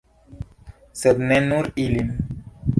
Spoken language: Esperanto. Sed ne nur ilin.